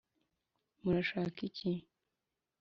Murashaka iki